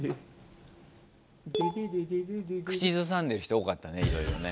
口ずさんでる人多かったねいろいろね。